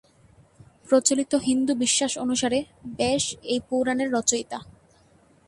প্রচলিত হিন্দু বিশ্বাস অনুসারে, ব্যাস এই পুরাণের রচয়িতা।